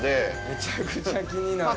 めちゃくちゃ気になる。